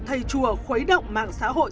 thầy chùa khuấy động mạng xã hội